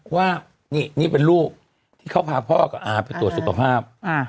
ว่านี่เป็นลูกที่เขาพาพ่อกับอาไปตรวจสุขภาพ